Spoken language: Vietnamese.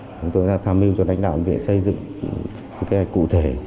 chúng tôi tham mưu cho đánh đạo viện xây dựng cụ thể